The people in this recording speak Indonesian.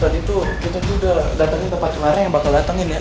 tadi tuh kita udah datengin tempat clara yang bakal datengin ya